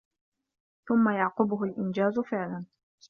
ثُمَّ يَعْقُبُهُ الْإِنْجَازُ فِعْلًا